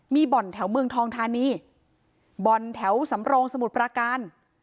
มีบ่อนแถวเมืองทองธานีบ่อนแถวสำโรงสมุทรประการ